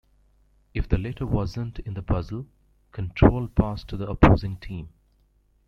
If the letter wasn't in the puzzle, control passed to the opposing team.